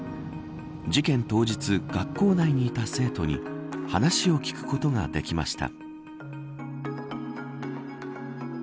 事件当日、学校内にいた生徒に話を聞くことができました。